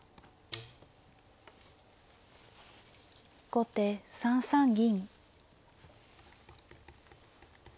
後手３三銀。